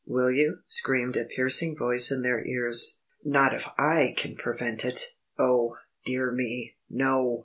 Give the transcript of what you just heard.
"Will you?" screamed a piercing voice in their ears. "Not if I can prevent it! Oh, dear me, no!"